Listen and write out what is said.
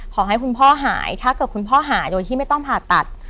ขอให้คุณพ่อหายถ้าเกิดคุณพ่อหายโดยที่ไม่ต้องผ่าตัด